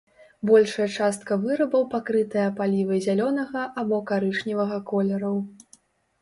Большая частка вырабаў пакрытая палівай зялёнага або карычневага колераў.